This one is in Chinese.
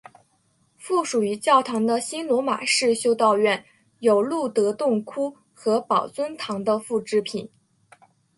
附属于教堂的新罗马式修道院有露德洞窟和宝尊堂的复制品。